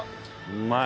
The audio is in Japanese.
うまい。